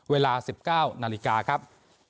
เวลาสิบเก้านาฬิกาครับ